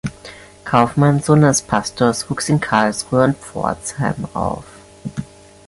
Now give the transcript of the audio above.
Kaufmann, Sohn eines Pastors, wuchs in Karlsruhe und Pforzheim auf.